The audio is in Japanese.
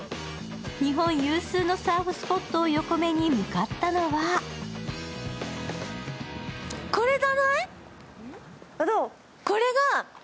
日本有数のサーフスポットを横目に向かったのはこれじゃない？